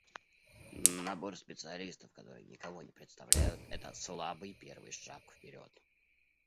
Набор специалистов, которые никого не представляют, — это слабый первый шаг вперед.